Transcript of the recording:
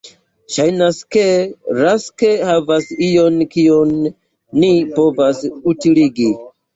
Ŝajnas ke Rask havas ion kion ni povas utiligi.